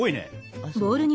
あっそう？